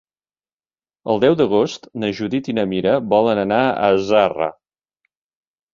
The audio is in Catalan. El deu d'agost na Judit i na Mira volen anar a Zarra.